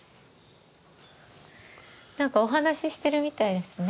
何かお話ししてるみたいですね。